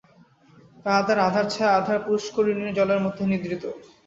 তাহাদের আঁধার ছায়া আঁধার পুষ্করিণীর জলের মধ্যে নিদ্রিত।